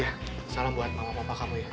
iya salam buat mama mama kamu ya